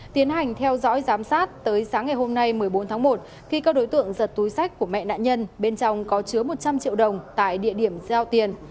tiến hành theo dõi giám sát tới sáng ngày hôm nay một mươi bốn tháng một khi các đối tượng giật túi sách của mẹ nạn nhân bên trong có chứa một trăm linh triệu đồng tại địa điểm giao tiền